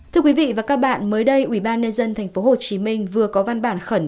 thưa quý vị và các bạn mới đây ubnd tp hcm vừa có văn bản khẩn